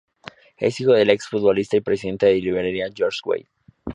Es hijo del ex futbolista y presidente de Liberia George Weah.